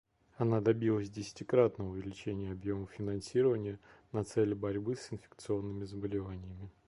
Она добилась десятикратного увеличения объемов финансирования на цели борьбы с инфекционными заболеваниями.